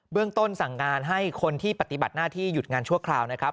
เรื่องต้นสั่งงานให้คนที่ปฏิบัติหน้าที่หยุดงานชั่วคราวนะครับ